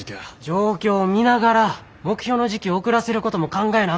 状況見ながら目標の時期を遅らせることも考えなあ